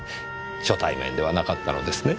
初対面ではなかったのですね？